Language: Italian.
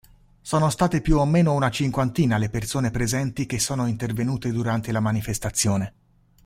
Sono state più o meno una cinquantina le persone presenti e che sono intervenute durante la manifestazione.